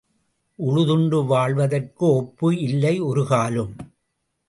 உழுது உண்டு வாழ்வதற்கு ஒப்பு இல்லை ஒரு காலும்.